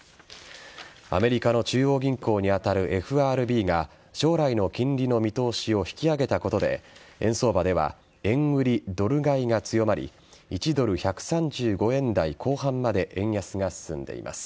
アメリカの中央銀行に当たるＦＲＢが将来の金利の見通しを引き上げたことで円相場では円売りドル買いが強まり１ドル１３５円台後半まで円安が進んでいます。